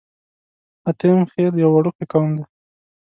حاتم خيل يو وړوکی قوم دی.